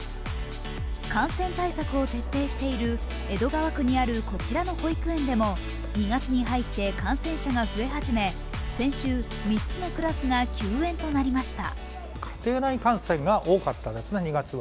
感染対策を徹底している江戸川区にあるこちらの保育園でも２月に入って感染者が増え始め先週３つのクラスが休園となりました。